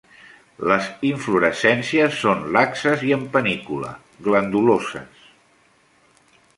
Les inflorescències són laxes i en panícula, glanduloses.